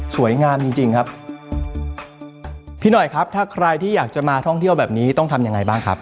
จริงจริงครับพี่หน่อยครับถ้าใครที่อยากจะมาท่องเที่ยวแบบนี้ต้องทำยังไงบ้างครับ